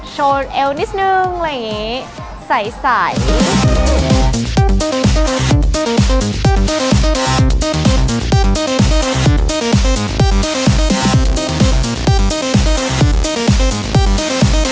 โชว์เอวนิดนึงอะไรอย่างนี้ใส